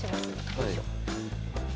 よいしょ。